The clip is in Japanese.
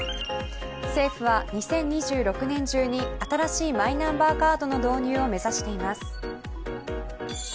政府は２０２６年中に新しいマイナンバーカードの導入を目指しています。